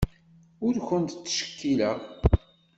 Ur kent-ttcekkileɣ.